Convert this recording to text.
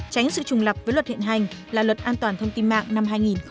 tránh sự trùng lập với luật hiện hành là luật an toàn thông tin mạng năm hai nghìn một mươi